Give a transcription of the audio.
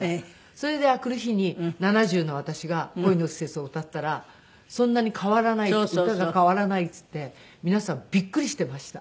それで明くる日に７０の私が『恋の季節』を歌ったらそんなに変わらない歌が変わらないっていって皆さんびっくりしていました。